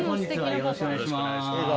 よろしくお願いします。